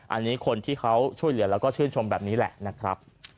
อันนี้คนที่เขาช่วยเหลือแล้วก็ชื่นชมแบบนี้แหละนะครับ